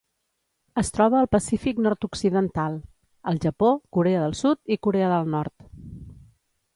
Es troba al Pacífic nord-occidental: el Japó, Corea del Sud i Corea del Nord.